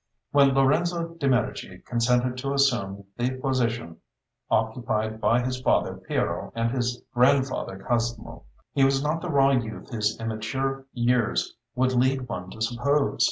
When Lorenzo de' Medici consented to assume the "position" occupied by his father Piero and his grandfather Cosmo, he was not the raw youth his immature years would lead one to suppose.